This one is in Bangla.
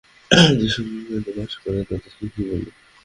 যেসব উদ্ভিদ পানিতে বাস করে তাদের কী বলে?